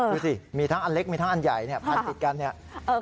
ดูสิมีทั้งอันเล็กมีทั้งอันใหญ่ผ่านติดกันนี้